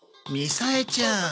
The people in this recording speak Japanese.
みさえちゃん。